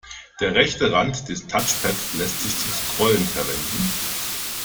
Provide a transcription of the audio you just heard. Der rechte Rand des Touchpads lässt sich zum Scrollen verwenden.